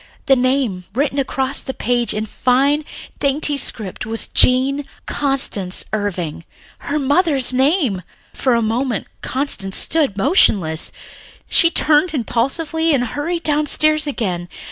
The name written across the page in a fine, dainty script was "Jean Constance Irving," her mother's name! For a moment Constance stood motionless. Then she turned impulsively and hurried downstairs again. Mr.